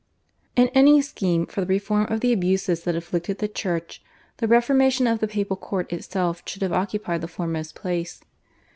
In any scheme for the reform of the abuses that afflicted the Church the reformation of the Papal Court itself should have occupied the foremost place.